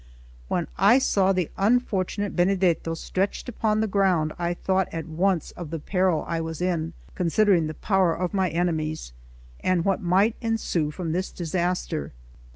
When I saw the unfortunate Benedetto stretched upon the ground, I thought at once of the peril I was in, considering the power of my enemies, and what might ensue from this disaster.